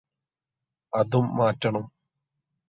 അതും മാറ്റണം